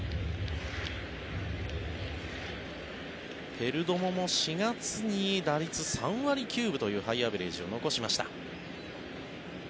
ペルドモも４月に打率３割９分というハイアベレージを残しました。